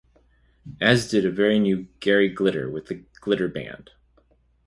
As did a very new Gary Glitter, with The Glitter Band.